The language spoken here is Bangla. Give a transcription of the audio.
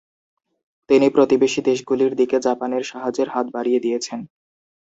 তিনি প্রতিবেশী দেশগুলির দিকে জাপানের সাহায্যের হাত বাড়িয়ে দিয়েছেন।